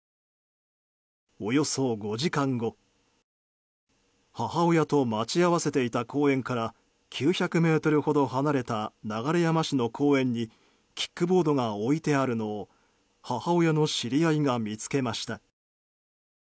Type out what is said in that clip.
およそ５時間後母親と待ち合わせていた公園から９００ｍほど離れた流山市の公園にキックボードが置いてあるのを母親の知り合いが見つけました。